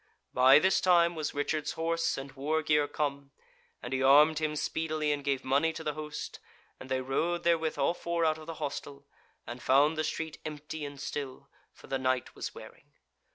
By this time was Richard's horse and war gear come, and he armed him speedily and gave money to the host, and they rode therewith all four out of the hostel, and found the street empty and still, for the night was wearing.